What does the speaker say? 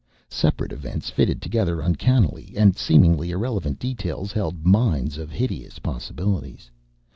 Separate events fitted together uncannily, and seemingly irrelevant details held mines of hideous possibilities.